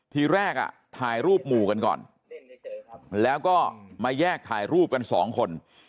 ทีแรกอ่ะถ่ายรูปหมู่กันก่อนแล้วก็มาแยกถ่ายรูปกันสองคน